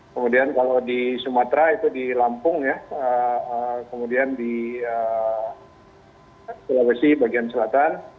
kemudian kalau di sumatera itu di lampung ya kemudian di sulawesi bagian selatan